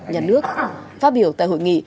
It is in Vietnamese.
nhà nước phát biểu tại hội nghị